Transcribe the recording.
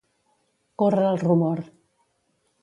Córrer el rumor.